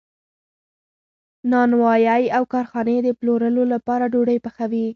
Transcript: نانوایی او کارخانې د پلورلو لپاره ډوډۍ پخوي.